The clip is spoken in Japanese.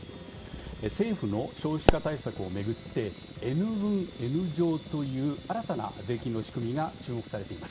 政府の少子化対策を巡ってＮ分Ｎ乗方式という新たな税金の仕組みが注目されています。